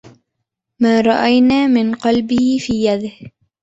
ما رأينا من قلبه في يديه